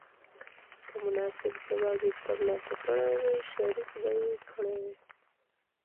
که مناسب ځواب یې تر لاسه کړی وای شریک به یې کړی وای.